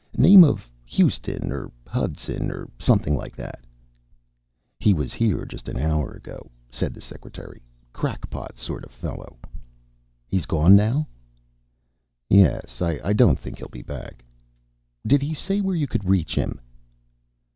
"Name of Huston or Hudson or something like that." "He was here just an hour or so ago," said the secretary. "Crackpot sort of fellow." "He's gone now?" "Yes. I don't think he'll be back." "Did he say where you could reach him?"